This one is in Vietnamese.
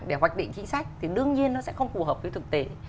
để hoạch định chính sách thì đương nhiên nó sẽ không phù hợp với thực tế